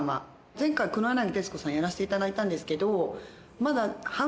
前回黒柳徹子さんやらせていただいたんですけど。